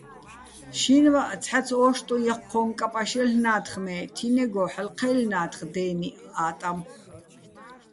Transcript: შინვაჸ ცჰ̦აც ო́შტუჼ ჲაჴჴო́ჼ კაპაშ ჲელ'ნათხ, მე თინეგო ჰ̦ალო̆ ჴაჲლლნა́თხ დე́ნიჸ ა́ტამ.